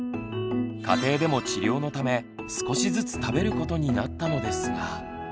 家庭でも治療のため少しずつ食べることになったのですが。